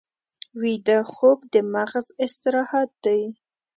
ویده خوب د مغز استراحت دی